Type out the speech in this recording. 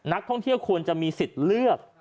นักท่องเที่ยวควรจะมีสิทธิ์เลือก